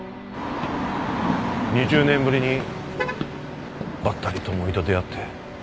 ２０年ぶりにばったり智美と出会って。